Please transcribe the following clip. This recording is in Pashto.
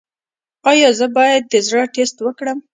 ایا زه باید د زړه ټسټ وکړم؟